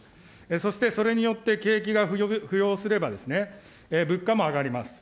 そして、それによって景気が浮揚すれば、物価も上がります。